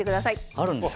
あるんですか？